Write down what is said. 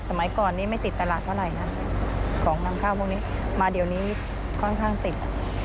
สมัยก่อนนี้ไม่ติดตลาดเท่าไหร่นะของนำข้าวพวกนี้มาเดี๋ยวนี้ค่อนข้างติด